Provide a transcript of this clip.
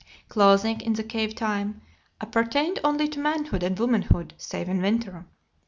Clothing, in the cave time, appertained only to manhood and womanhood, save in winter.